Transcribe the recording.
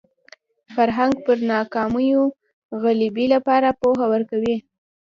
فرهنګ پر ناکامیو غلبې لپاره پوهه ورکوي